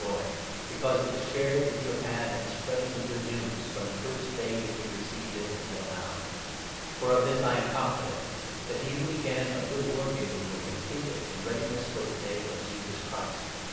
jov — because of the share that you have had in 5 spreading the Good News, from the first day that you received it until now. For of this I am confident, that he who began a 6 good work in you will complete it in readiness for the Day of Jesus Christ.